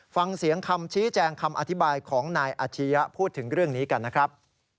ฟังเสียงคำชี้แจงคำอธิบายของนายอาชียะพูดถึงเรื่องนี้กันนะครับ